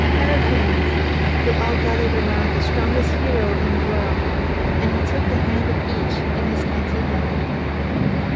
Heracles! They all gathered around the strongest hero in the world, and he took the hand of each in his mighty hand.